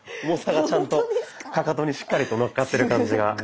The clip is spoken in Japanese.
重さがちゃんとかかとにしっかりとのっかってる感じが。